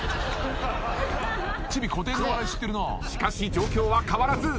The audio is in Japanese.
しかし状況は変わらず。